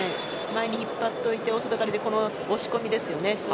前に引っ張って大外刈で押し込みですよね。